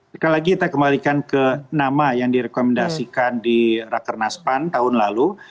sekali lagi kita kembalikan ke nama yang direkomendasikan di rakernas pan tahun lalu